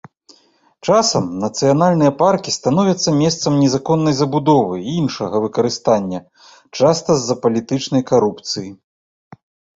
Часам нацыянальныя паркі становяцца месцам незаконнай забудовы і іншага выкарыстання, часта з-за палітычнай карупцыі.